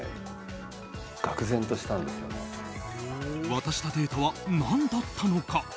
渡したデータは何だったのか。